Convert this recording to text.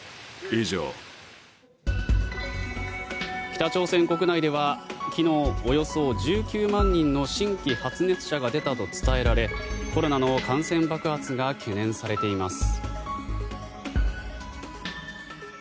北朝鮮国内では昨日、およそ１９万人の新規発熱者が出たと伝えられコロナの感染爆発が懸念されています。